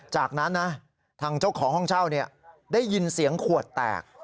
จากนั้นนะทางเจ้าของห้องเช่าได้ยินเสียงขวดแตก